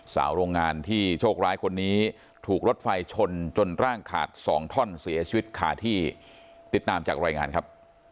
สาวโรงงานที่โชคร้ายคนนี้ถูกรถไฟชนจนร่างขาดสองท่อนเสียชีวิตขาที่ติดตามจากรายงานครับ